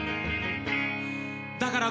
だから